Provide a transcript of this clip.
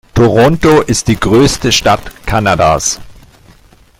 Toronto ist die größte Stadt Kanadas.